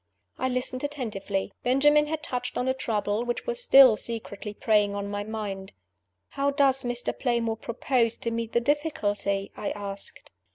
I listened attentively. Benjamin had touched on a trouble which was still secretly preying on my mind. "How does Mr. Playmore propose to meet the difficulty?" I asked.